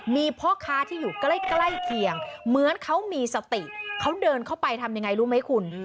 มีพ่อค้าที่อยู่ใกล้เคียงเหมือนเขามีสติเขาเดินเข้าไปทำยังไงรู้ไหมคุณ